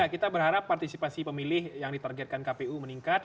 kita berharap partisipasi pemilih yang ditargetkan kpu meningkat